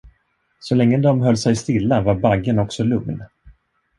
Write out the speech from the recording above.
Så länge de höll sig stilla var baggen också lugn.